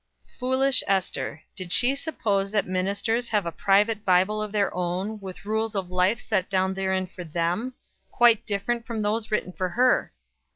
Foolish Ester! Did she suppose that ministers have a private Bible of their own, with rules of life set down therein for them, quite different from those written for her!